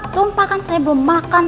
tumpah kan saya belum makan